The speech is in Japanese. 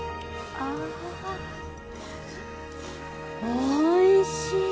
おいしい。